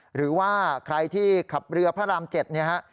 หรือว่าใครที่ขับเรือพระราม๗เนี่ยฮะ